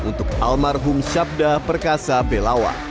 untuk almarhum syabda perkasa belawa